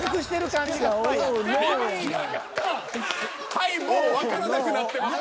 はいもうわからなくなってます